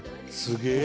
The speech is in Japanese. すげえ。